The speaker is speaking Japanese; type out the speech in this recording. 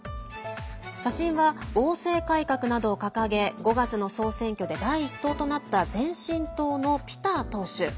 写真は王政改革などを掲げ５月の総選挙で第１党となった前進党のピター党首。